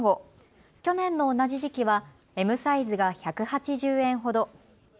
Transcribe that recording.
去年の同じ時期はＭサイズが１８０円ほど。